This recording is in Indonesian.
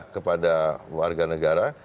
kepada warga negara